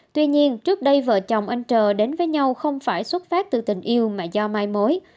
tuy nhiên trước đây vợ chồng anh trờ đến với nhau không phải xuất phát từ tình yêu mà do mai mối